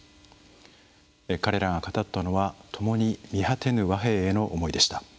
彼らが語ったのはともに見果てぬ和平への思いでした。